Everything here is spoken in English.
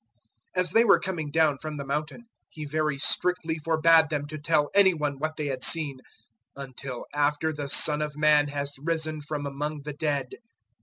009:009 As they were coming down from the mountain, He very strictly forbad them to tell any one what they had seen "until after the Son of Man has risen from among the dead."